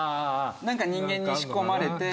何か人間に仕込まれて。